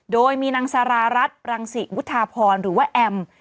โดยมีนางสารารัฐรังศิวุฒาพรหรือว่าแอม